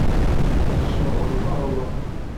Ad kecmeɣ ɣer lqahwa.